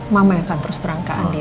mama yang akan terus terang ke andin